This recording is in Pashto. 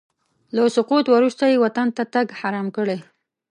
له سقوط وروسته یې وطن ته تګ حرام کړی.